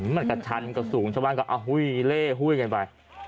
มันกระชันกระสูงชาวบ้านก็เอาหุ้ยเล่หุ้ยกันไป